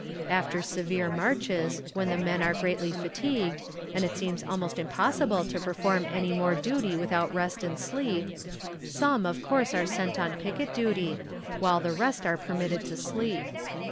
After severe marches, when the men are greatly fatigued, and it seems almost impossible to perform any more duty without rest and sleep, some, of course, are sent on picket duty, while the rest are permitted to sleep.